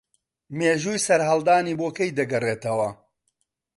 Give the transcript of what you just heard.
مێژووی سەرهەڵدانی بۆ کەی دەگەڕێتەوە